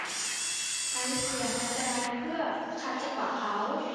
อลิซเสี่ยงอันตรายเพื่อขัดจังหวะเขา